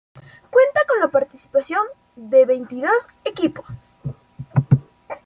Cuenta con la participación de veintidós equipos.